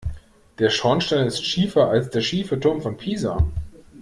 Der Schornstein ist schiefer als der schiefe Turm von Pisa.